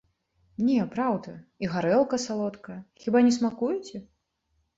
Не праўда, і гарэлка салодкая, хіба не смакуеце?